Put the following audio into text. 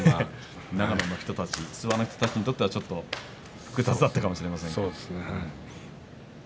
長野の人たち、諏訪の人たちにとってはちょっと複雑だったかもしれませんね。